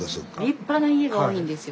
立派な家が多いんですよ